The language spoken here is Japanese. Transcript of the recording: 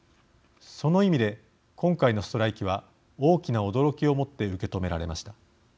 その意味で、今回のストライキは大きな驚きをもって受け止められました。